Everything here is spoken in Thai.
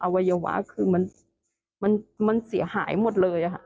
วัยวะคือมันเสียหายหมดเลยค่ะ